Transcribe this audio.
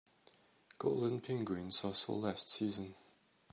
Golden penguins are so last season.